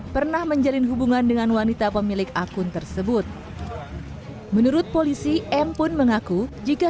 pernah menjalin hubungan dengan wanita pemilik akun tersebut menurut polisi m pun mengaku jika